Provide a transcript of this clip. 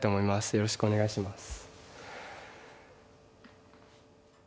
よろしくお願いします。